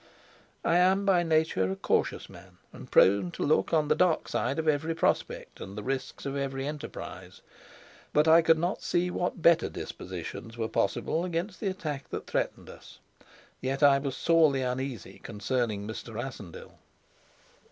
I am, by nature, a cautious man, and prone to look at the dark side of every prospect and the risks of every enterprise; but I could not see what better dispositions were possible against the attack that threatened us. Yet I was sorely uneasy concerning Mr. Rassendyll.